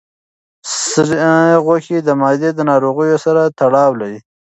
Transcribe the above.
سرې غوښه د معدې د ناروغیو سره تړاو لري.